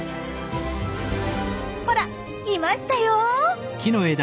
ほらいましたよ！